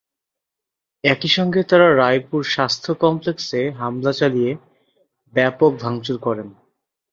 একই সঙ্গে তাঁরা রায়পুর স্বাস্থ্য কমপ্লেক্সে হামলা চালিয়ে ব্যাপক ভাঙচুর করেন।